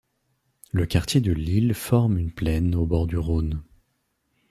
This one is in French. Le quartier de L'Isle forme une plaine au bord du Rhône.